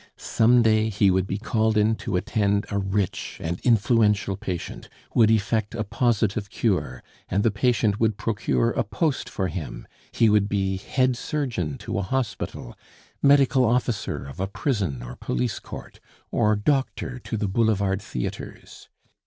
Some day he would be called in to attend a rich and influential patient, would effect a positive cure, and the patient would procure a post for him; he would be head surgeon to a hospital, medical officer of a prison or police court, or doctor to the boulevard theatres.